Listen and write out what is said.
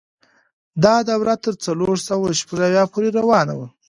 دا دوره تر څلور سوه شپږ اویا پورې روانه وه.